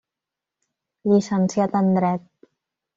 Llicenciat en dret.